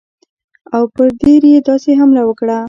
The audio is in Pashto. او پر دیر یې داسې حمله وکړه.